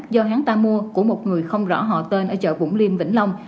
do hán ta mua của một người không rõ họ tên ở chợ vũng liêm vĩnh long